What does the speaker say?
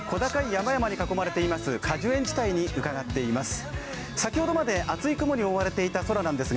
山々に囲まれています、果樹園地帯に伺っています。